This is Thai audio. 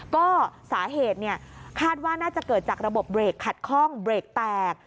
ก็สาเหตุคาดว่าน่าจะเกิดจากระบบเบรกขัดข้องเบรกแตก